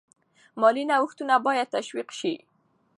مالي نوښتونه باید تشویق شي.